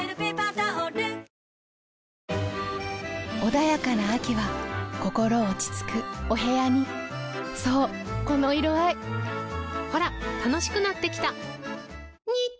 穏やかな秋は心落ち着くお部屋にそうこの色合いほら楽しくなってきた！